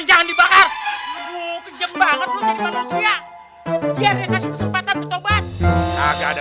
jangan kok aja